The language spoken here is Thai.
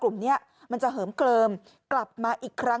อ้อฟ้าอ้อฟ้าอ้อฟ้าอ้อฟ้า